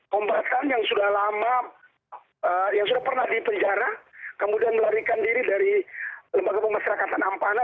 kombatan yang sudah lama yang sudah pernah dipenjara kemudian melarikan diri dari lembaga pemasyarakatan ampana